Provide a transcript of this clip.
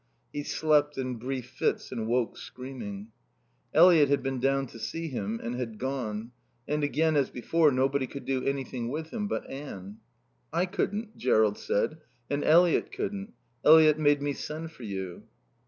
He slept in brief fits and woke screaming. Eliot had been down to see him and had gone. And again, as before, nobody could do anything with him but Anne. "I couldn't," Jerrold said, "and Eliot couldn't. Eliot made me send for you."